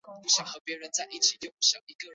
伊达政宗的外祖父。